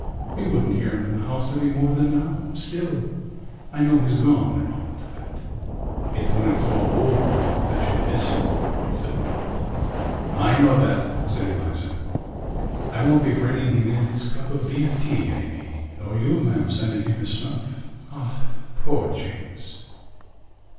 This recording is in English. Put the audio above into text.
You wouldn't hear him in the house any more than now. Still, I know he's gone and all to that...." "It's when it's all over that you'll miss him," said my aunt. "I know that," said Eliza. "I won't be bringing him in his cup of beef tea any more, nor you, ma'am, sending him his snuff. Ah, poor James!"